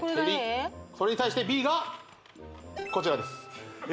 それに対してＢがこちらです